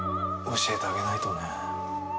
教えてあげないとね。